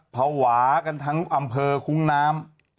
ภาวะกันทั้งอำเภอคุ้งน้ำ